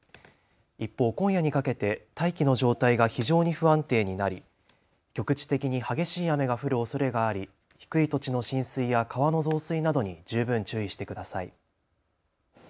一方、今夜にかけて大気の状態が非常に不安定になり局地的に激しい雨が降るおそれがあり、低い土地の浸水や川の増水などに十分注意してください。